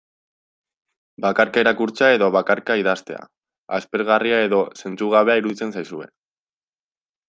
Bakarka irakurtzea edo bakarka idaztea, aspergarria edo zentzugabea iruditzen zaizue.